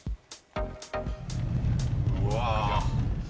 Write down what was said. うわ！